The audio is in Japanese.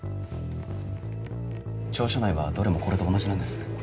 「庁舎内はどれもこれと同じなんです。